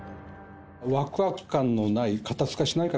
わくわく感のない肩透かし内閣。